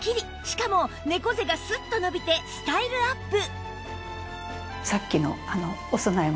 しかも猫背がスッと伸びてスタイルアップ！